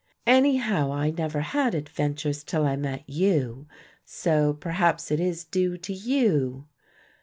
"Anyhow I never had adventures till I met you, so perhaps it is due to you."